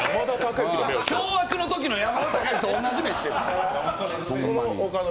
凶悪のときの山田孝之と同じ目してる。